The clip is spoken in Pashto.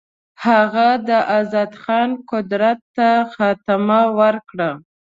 هغه د آزاد خان قدرت ته خاتمه ورکړه.